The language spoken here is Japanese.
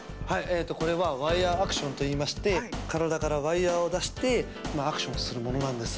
これはワイヤーアクションといいましてからだからワイヤーをだしてアクションをするものなんです。